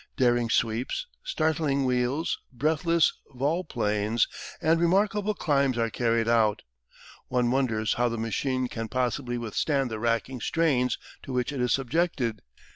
Daring sweeps, startling wheels, breathless vol planes, and remarkable climbs are carried out. One wonders how the machine can possibly withstand the racking strains to which it is subjected.